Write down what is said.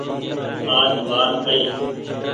آج مآر کآئي۔